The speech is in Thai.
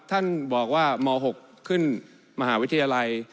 ท่านบอกว่าม๖ขึ้นมหาวิทยาลัย